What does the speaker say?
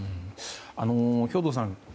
兵頭さん